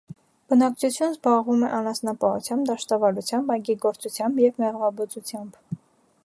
Բնակչությունն զբաղվում է անասնապահությամբ, դաշտավարությամբ, այգեգործությամբ և մեղվաբուծությամբ։